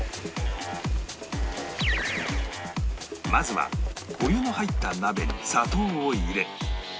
まずはお湯の入った鍋に砂糖を入れ